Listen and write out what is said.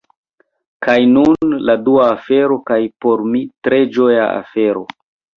Kaj nun, la dua afero kaj por mi tre ĝoja afero!